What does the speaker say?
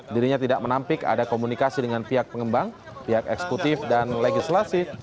dirinya tidak menampik ada komunikasi dengan pihak pengembang pihak eksekutif dan legislasi